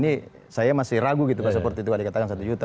ini saya masih ragu gitu pak seperti itu ada katakan satu juta